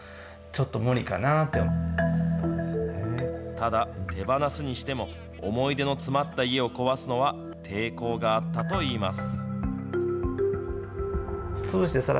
ただ、手放すにしても、思い出の詰まった家を壊すのは、抵抗があったといいます。